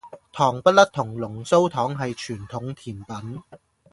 糖不甩同龍鬚糖係傳統甜品